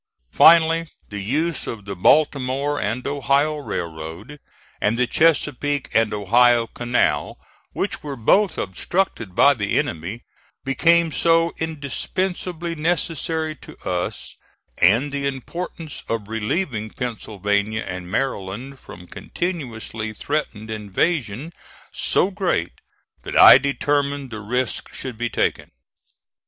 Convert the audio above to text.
Finally, the use of the Baltimore and Ohio Railroad, and the Chesapeake and Ohio Canal, which were both obstructed by the enemy, became so indispensably necessary to us, and the importance of relieving Pennsylvania and Maryland from continuously threatened invasion so great, that I determined the risk should be taken.